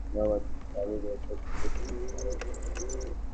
তিনি চান, আরহামের মনেও যেন বাবা তামিমের প্রতি সেই শ্রদ্ধা, ভালোবাসা থাকে।